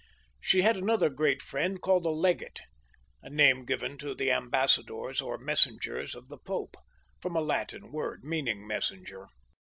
She had another great friend called the Legate, a name given to the ambassadors or messengers of the Pope, from a Latin word meaning messenger.